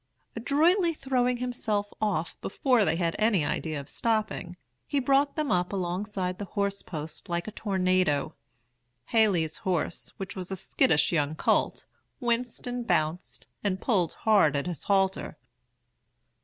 Adroitly throwing himself off before they had any idea of stopping, he brought them up alongside the horse post like a tornado. Haley's horse, which was a skittish young colt, winced and bounced, and pulled hard at his halter.